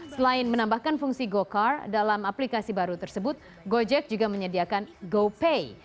selain menambahkan fungsi go kart dalam aplikasi baru tersebut gojek juga menyediakan gopay